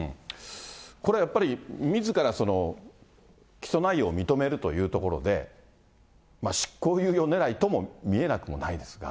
これやっぱり、みずから起訴内容を認めるというところで、執行猶予ねらいとも見えなくもないですが。